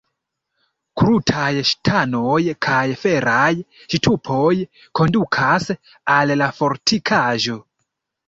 Krutaj ŝtonaj kaj feraj ŝtupoj kondukas al la fortikaĵo.